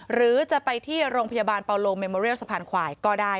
หรือจะไปที่โรงพยาบาลเปาโลเมโมเรียลสะพานควายก็ได้